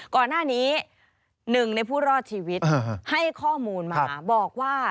ก่อนหน้านี้หนึ่งในผู้รอดชีวิตให้ข้อมูลมาบอกว่า